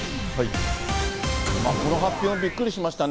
この発見はびっくりしましたね。